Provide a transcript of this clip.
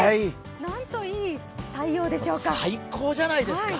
なんと、いい太陽でしょうか。